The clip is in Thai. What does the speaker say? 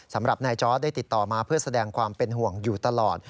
สำหรับนายจอร์ดได้ติดต่อมาเพื่อแสดงความเป็นห่วงอยู่ตลอด